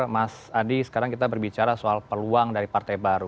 mas adi sekarang kita berbicara soal peluang dari partai baru